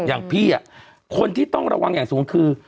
อย่างพี่คนที่ต้องระวังอย่างสูงคือ